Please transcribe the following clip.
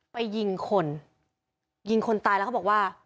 ไปยิงคนยิงคนตายแล้วเขาบอกว่า